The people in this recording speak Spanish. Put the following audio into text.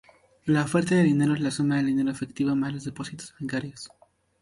La oferta de dinero es la suma del dinero efectivo más los depósitos bancarios.